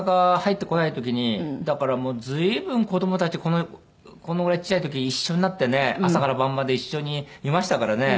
だからもう随分子供たちこのぐらいちっちゃい時一緒になってね朝から晩まで一緒にいましたからね。